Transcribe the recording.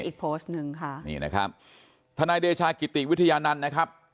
อีกโพสต์นึงค่ะทนายเดชากิติวิทยานันตร์นะครับ